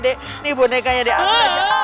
ini bonekanya di atas